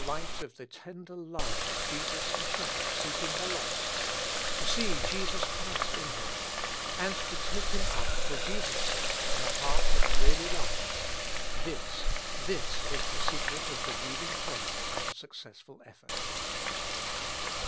light of the tender love of Jesus the Shepherd seeking the lost ; to see Jesus Christ in him, and to take him up, for Jesus' sake, in a heart that really loves, — this, this is the secret of beHeving prayer and successful effort.